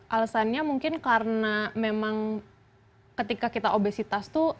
alasannya mungkin karena memang ketika kita obesitas tuh